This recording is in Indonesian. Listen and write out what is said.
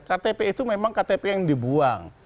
ktp itu memang ktp yang dibuang